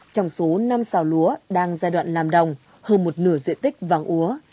trong số năm xào lúa đang giai đoạn làm đồng hơn một nửa diện tích vàng úa